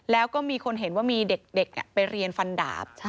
แล้วก็มีคนเห็นว่ามีเด็กไปเรียนฟันดาบ